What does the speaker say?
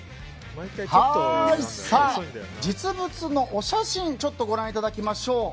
実物のお写真をご覧いただきましょう。